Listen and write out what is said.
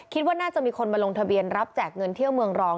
คิดว่าน่าจะมีคนมาลงทะเบียนรับแจกเงินเที่ยวเมืองรอง